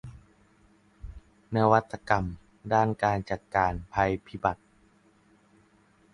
นวัตกรรมด้านการจัดการภัยพิบัติ